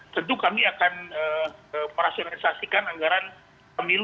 tentu kami akan merasionalisasikan anggaran pemilu